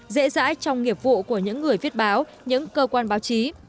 dễ dãi trong nghiệp vụ của những người viết báo những cơ quan báo chí